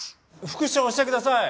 復唱してください。